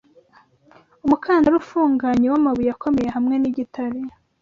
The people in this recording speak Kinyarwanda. Umukandara ufunganye wamabuye akomeye hamwe nigitare,